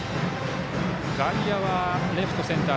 外野はレフト、センター